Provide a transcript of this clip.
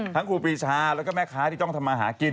ครูปีชาแล้วก็แม่ค้าที่ต้องทำมาหากิน